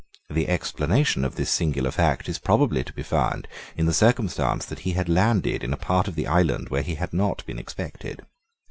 The explanation of this singular fact is probably to be found in the circumstance that he had landed in a part of the island where he had not been expected.